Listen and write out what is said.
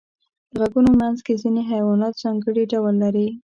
د غرونو منځ کې ځینې حیوانات ځانګړي ډول لري.